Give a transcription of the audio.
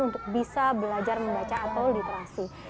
untuk bisa belajar membaca atau literasi